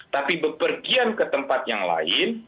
tapi bepergian ke tempat yang lain